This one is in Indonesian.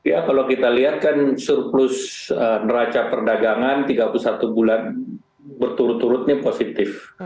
ya kalau kita lihat kan surplus neraca perdagangan tiga puluh satu bulan berturut turutnya positif